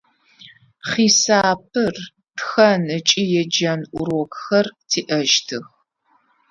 Хьисапыр, тхэн ыкӏи еджэн урокхэр тиӏэщтых.